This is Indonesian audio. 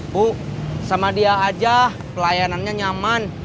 bu sama dia aja pelayanannya nyaman